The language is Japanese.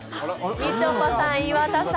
みちょぱさん、岩田さん。